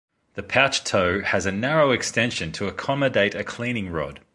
The pouch tow has a narrow extension to accommodate a cleaning rod.